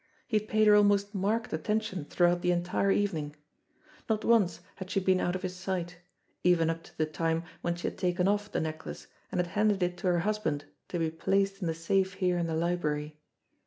He had paid her almost marked attention throughout the entire evening ! Not once had she been out of his sight, even up to the time when she had taken off the necklace and had handed it to her husband to be placed in the safe here in the library.